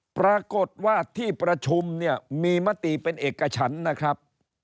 ปรากฏว่าที่ประชุมเนี่ยมีมติเป็นเอกฉันนะครับ